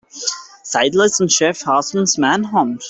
Sidelights on Sheriff Hartman's manhunt.